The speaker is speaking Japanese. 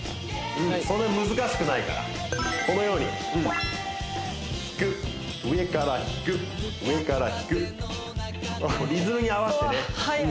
そんなに難しくないからこのように引く上から引く上から引くリズムに合わせてねうわ